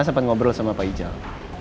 sempet ngobrol sama pak ijal